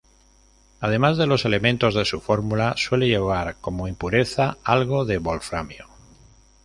Además de los elementos de su fórmula, suele llevar como impureza algo de wolframio.